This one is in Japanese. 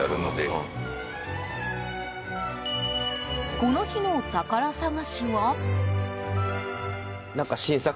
この日の宝探しは。